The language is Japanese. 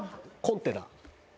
コンテナ。